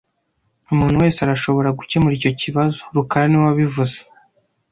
Umuntu wese arashobora gukemura icyo kibazo rukara niwe wabivuze